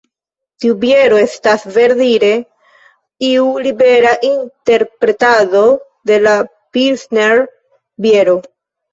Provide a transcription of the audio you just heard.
Tiu biero estas verdire iu libera interpretado de la Pilsner-biero.